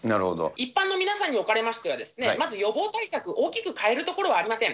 一般の皆さんにおかれましては、まず予防対策、大きく変えるところはありません。